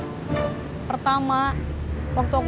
jadi pake dekat di tingkatiau